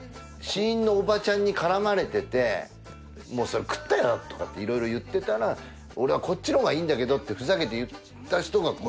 試飲のおばちゃんに絡まれててもうそれ食ったよとかいろいろ言ってたら俺はこっちのほうがいいんだけどってふざけて言った人が。